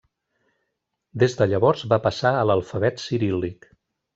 Des de llavors, va passar a l'alfabet ciríl·lic.